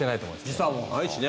時差もないしね。